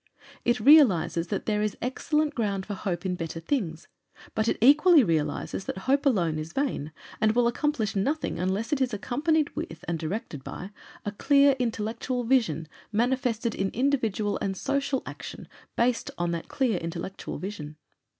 It realizes that there is excellent ground for hope in better things; but it equally realizes that hope alone is vain, and will accomplish nothing unless it is accompanied with and directed by a clear intellectual vision manifested in individual and social action based on that clear intellectual vision.